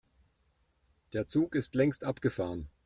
Der Zug ist längst abgefahren.